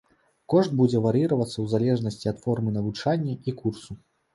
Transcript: Кошт будзе вар'іравацца ў залежнасці ад формы навучання і курсу.